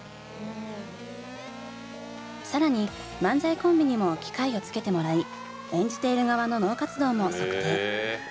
更に漫才コンビにも機械をつけてもらい演じている側の脳活動も測定。